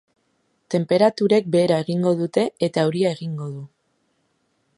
Tenperaturek behera egingo dute eta euria egingo du.